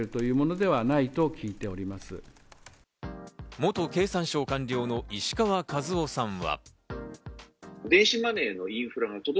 元経産省官僚の石川和男さんは。